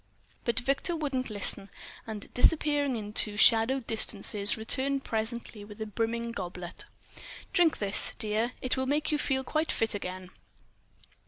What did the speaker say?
But Victor wouldn't listen; and disappearing into shadowed distances, returned presently with a brimming goblet. "Drink this, dear. It will make you feel quite fit again."